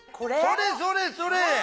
それそれそれ。